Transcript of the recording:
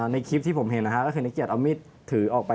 ในคลิปที่ผมเห็นนะฮะก็คือในเกียจเอามีดถือออกไป